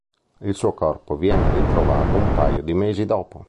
Il suo corpo viene ritrovato un paio di mesi dopo.